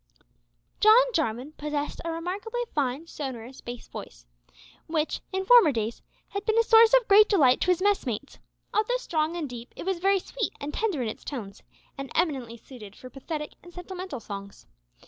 John Jarwin possessed a remarkably fine sonorous bass voice, which, in former days, had been a source of great delight to his messmates. Although strong and deep, it was very sweet and tender in its tones, and eminently suited for pathetic and sentimental songs.